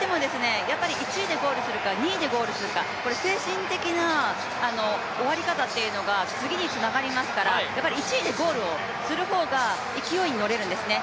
１位でゴールするか２位でゴールするか、精神的な終わり方というのが次につながりますから、１位でゴールをする方が勢いに乗れるんですね。